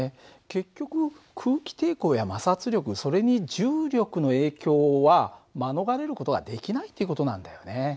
結局空気抵抗や摩擦力それに重力の影響は免れる事はできないっていう事なんだよね。